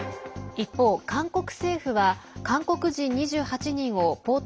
一方、韓国政府は韓国人２８人をポート